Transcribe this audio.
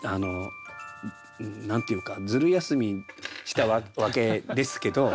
何て言うかずる休みしたわけですけど。